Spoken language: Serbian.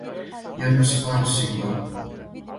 Једна ствар је сигурна.